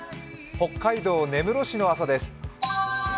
北海道根室市の朝です。